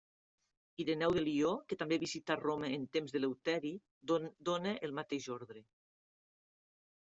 Ireneu de Lió, que també visità Roma en temps d'Eleuteri, dóna el mateix ordre.